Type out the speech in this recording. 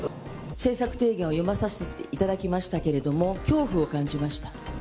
政策提言を読まさせていただきましたけれども、恐怖を感じました。